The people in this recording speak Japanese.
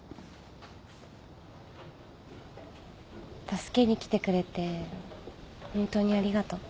助けに来てくれてホントにありがとう。